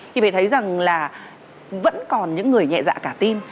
thì phải thấy rằng là vẫn còn những người nhẹ dạ cả tin